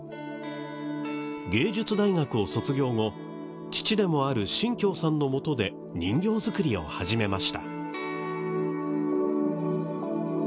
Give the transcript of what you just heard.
芸術大学を卒業後父でもある信喬さんのもとで人形作りを始めました。